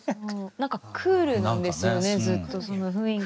なんかクールなんですよねずっとその雰囲気が。